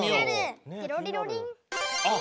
テロリロリン。